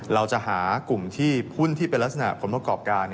เราจะหากลุ่มที่หุ้นที่เป็นลักษณะผลประกอบการ